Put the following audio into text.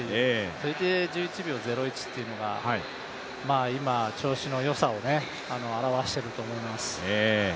それで１１秒０１というのが、今調子の良さを表していると思います。